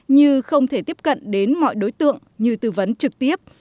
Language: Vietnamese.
như không thể tiếp cận đến mọi đối tượng như tư vấn trực tiếp